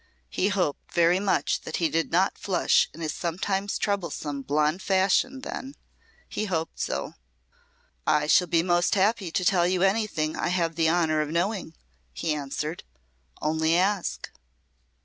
He hoped very much that he did not flush in his sometimes troublesome blond fashion then. He hoped so. "I shall be most happy to tell you anything I have the honour of knowing," he answered. "Only ask."